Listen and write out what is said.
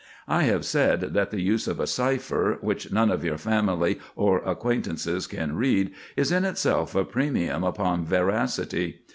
I have said that the use of a cipher which none of your family or acquaintances can read, is in itself a premium upon veracity.